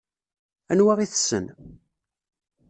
Anwa i tessen?